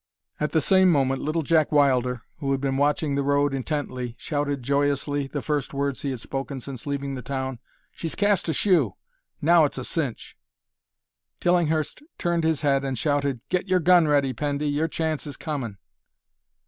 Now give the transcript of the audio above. At the same moment Little Jack Wilder, who had been watching the road intently, shouted joyously, the first words he had spoken since leaving the town, "She's cast a shoe! Now it's a cinch!" Tillinghurst turned his head and shouted, "Get your gun ready, Pendy! your chance is comin'."